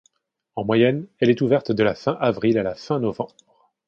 En moyenne, elle est ouverte de la fin avril à la fin novembre.